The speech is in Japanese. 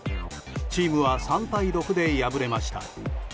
チームは３対６で敗れました。